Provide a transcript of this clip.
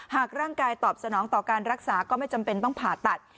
หากร่างกายตอบสนองต่อการรักษาก็ไม่จำเป็นต้องผ่าตัด